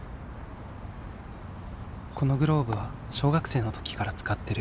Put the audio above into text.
このグローブは小学生の時から使ってる。